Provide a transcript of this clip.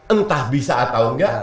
entah bisa atau enggak